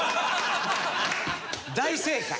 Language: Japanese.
大正解。